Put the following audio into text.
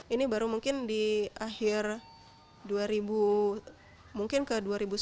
ini baru mungkin di akhir dua ribu mungkin ke dua ribu sepuluh dua ribu sebelas dua ribu tiga belas